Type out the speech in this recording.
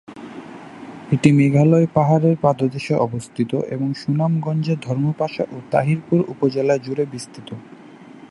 এটি মেঘালয় পাহাড়ের পাদদেশে অবস্থিত এবং সুনামগঞ্জের ধর্মপাশা ও তাহিরপুর উপজেলা জুড়ে বিস্তৃত।